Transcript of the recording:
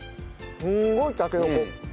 すごいたけのこ。